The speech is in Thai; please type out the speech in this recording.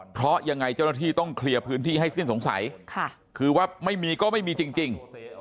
เพราะยังไงเจ้าหน้าที่ต้องเคลียร์พื้นที่ให้สิ้นสงสัยคือว่าไม่มีก็ไม่มีจริง